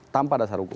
tanpa dasar hukum